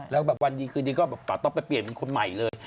แล้วก็วันดีคืนดีป๋าต๊อปไปเปลี่ยนเป็นคนใหม่เลย